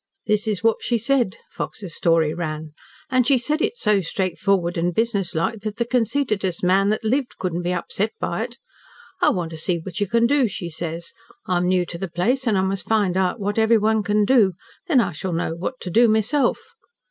"This is what she said," Fox's story ran, "and she said it so straightforward and business like that the conceitedest man that lived couldn't be upset by it. 'I want to see what you can do,' she says. 'I am new to the place and I must find out what everyone can do, then I shall know what to do myself.'